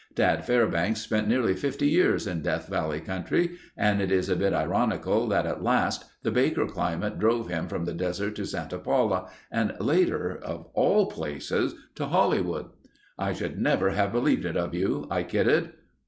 Dad Fairbanks spent nearly 50 years in Death Valley country and it is a bit ironical that at last, the Baker climate drove him from the desert to Santa Paula and later, of all places, to Hollywood. "I should never have believed it of you," I kidded.